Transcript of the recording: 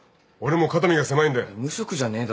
無職じゃねえだろうよ。